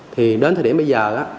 thì đến thời điểm bây giờ